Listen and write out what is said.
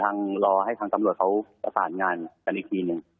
รอให้ทางตำรวจเขาประสานงานกันอีกทีหนึ่ง